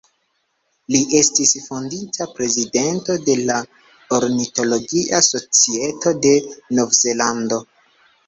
Li estis fondinta Prezidento de la Ornitologia Societo de Novzelando.